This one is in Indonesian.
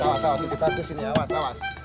awas awas kita kesini awas awas